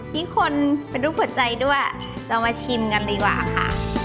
ที่คนเป็นรูปหัวใจด้วยเรามาชิมกันดีกว่าค่ะ